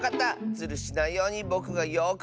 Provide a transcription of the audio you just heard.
ズルしないようにぼくがよくみてるからね。